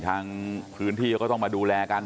ทางพื้นที่เขาก็ต้องมาดูแลกัน